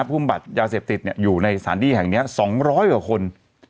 ภูมิบัตรยาเสพติดอยู่ในสถานที่แห่งนี้๒๐๐กว่าคน